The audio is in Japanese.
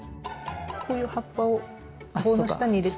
こういう葉っぱを棒の下に入れておくと。